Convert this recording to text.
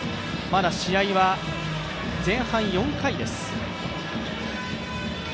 まだ試合は前半４回です。